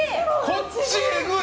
こっち、えぐい！